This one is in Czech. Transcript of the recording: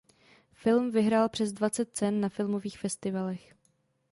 Film vyhrál přes dvacet cen na filmových festivalech.